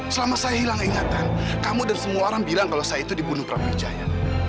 selama saya hilang ingatan kamu dan semua orang bilang kalau saya itu dibunuh pramujaya